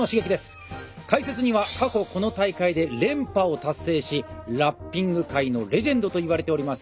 解説には過去この大会で連覇を達成しラッピング界のレジェンドといわれております